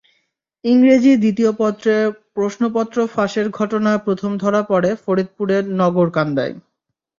ইংরেজি দ্বিতীয় পত্রের প্রশ্নপত্র ফাঁসের ঘটনা প্রথম ধরা পড়ে ফরিদপুরের নগরকান্দায়।